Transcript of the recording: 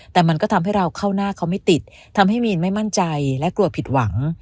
แต่มันก็ทำให้เราเข้าหน้าเขาไม่ติดทำให้มีนไม่มั่นใจและกลัวผิดหวัง